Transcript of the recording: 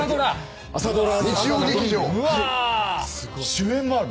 主演もある。